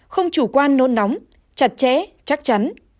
không chủ quan nôn nóng chặt chẽ chắc chắn